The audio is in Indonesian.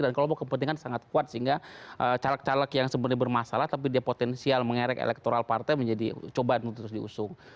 dan kalau kepentingan sangat kuat sehingga caleg caleg yang sebenarnya bermasalah tapi dia potensial mengerik elektoral partai menjadi cobaan untuk terus diusung